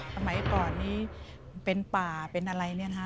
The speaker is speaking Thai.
สมัยก่อนเป็นป่าเป็นอะไร